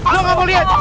jor nggak mau liat